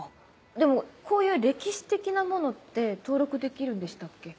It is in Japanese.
でもこういう歴史的なものって登録できるんでしたっけ？